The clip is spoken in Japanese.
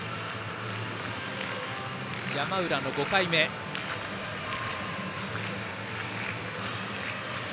山浦の５回目です。